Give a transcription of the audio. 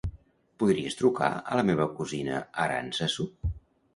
Podries trucar a la meva cosina Arantzazu?